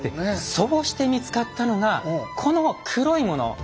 そうして見つかったのがこの黒いもの。